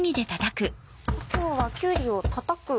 今日はきゅうりをたたく。